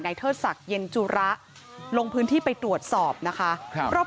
เทิดศักดิ์เย็นจุระลงพื้นที่ไปตรวจสอบนะคะ